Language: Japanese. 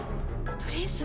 プリンス？